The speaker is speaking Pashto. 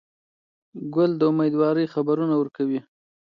غول د امیندوارۍ خبرونه ورکوي.